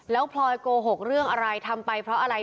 แล้วพลอยโกหกเรื่องอะไรทำไปเพราะอะไร